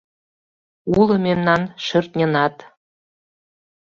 Уло мемнан шӧртньынат